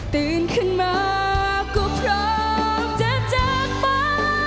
ตื่นขึ้นมาก็พร้อมจะจากไป